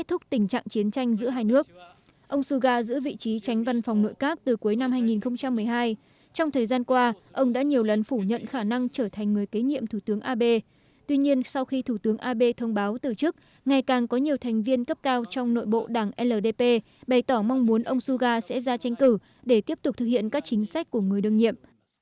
thủ tướng ab thông báo từ chức ngày càng có nhiều thành viên cấp cao trong nội bộ đảng ldp bày tỏ mong muốn ông suga sẽ ra tranh cử để tiếp tục thực hiện các chính sách của người đương nhiệm